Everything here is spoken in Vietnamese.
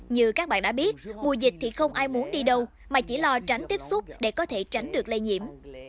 như các bạn đã biết mùa dịch thì không ai muốn đi đâu mà chỉ lo tránh tiếp xúc để có thể tránh được lây nhiễm